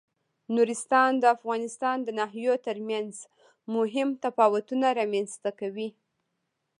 نورستان د افغانستان د ناحیو ترمنځ مهم تفاوتونه رامنځ ته کوي.